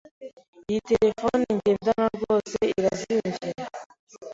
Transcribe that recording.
Iyi terefone ngendanwa rwose irazimvye.